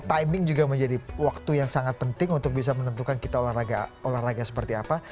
timing juga menjadi waktu yang sangat penting untuk bisa menentukan kita olahraga seperti apa